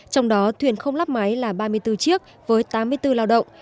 trong đó thuyền không lắp máy là ba mươi bốn chiếc với tám mươi bốn lao động